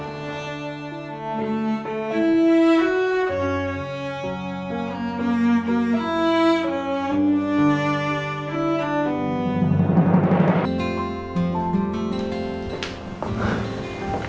terima kasih pak